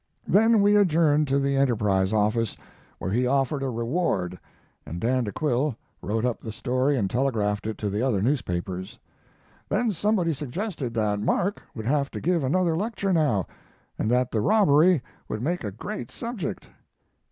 Then we adjourned to the Enterprise office, where he offered a reward, and Dan de Quille wrote up the story and telegraphed it to the other newspapers. Then somebody suggested that Mark would have to give another lecture now, and that the robbery would make a great subject.